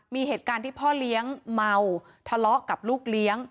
มีเหตุการณ์ที่พ่อเลี้ยงเมาทะเลาะกับลูกเลี้ยง